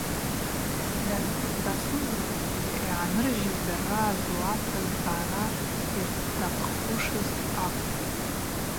Дасузлакӏгьи йгӏаныржьыз дара жвлата зъара ртахъхушыз акӏвпӏ.